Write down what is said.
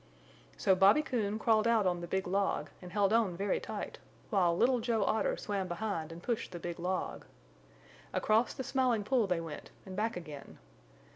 So Bobby Coon crawled out on the big log and held on very tight, while little Joe Otter swam behind and pushed the big log. Across the Smiling Pool they went and back again.